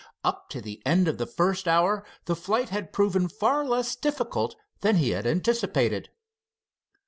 Up to the end of the first hour the flight had proven far less difficult than he had anticipated.